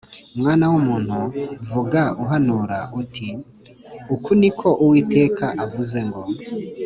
Mwana w’umuntu, vuga uhanura uti ‘Uku ni ko Uwiteka avuze ngo: